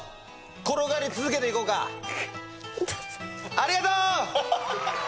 ありがとう！